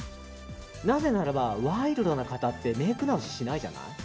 なぜならば、ワイルドな方ってメイク直ししないじゃない。